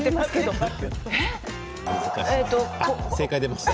正解出ました。